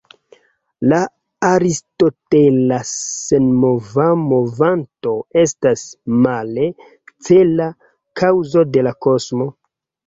La aristotela senmova movanto estas, male, cela kaŭzo de la kosmo.